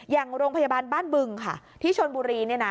อย่างโรงพยาบาลบ้านบึงค่ะที่ชลบุรี